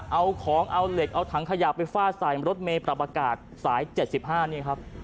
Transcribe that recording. เอาของเอาเหล็กเอาถังขยะไปฟาดใส่รถเมย์ปรับอากาศสาย๗๕นี่ครับ